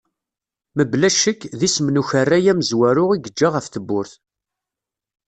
Mebla ccek, d isem n ukerray amezwaru i yeǧǧa ɣef tewwurt.